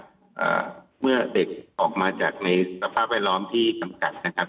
แต่เมื่อเด็กออกมาจากในสภาพแวดล้อมที่จำกัด